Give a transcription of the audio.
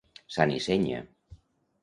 Sant i senya.